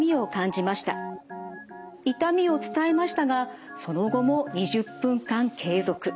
痛みを伝えましたがその後も２０分間継続。